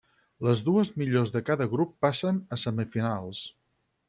Les dues millors de cada grup passen a semifinals.